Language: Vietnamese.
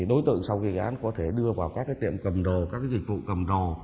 đối tượng sau kỳ án có thể đưa vào các tiệm cầm đồ các dịch vụ cầm đồ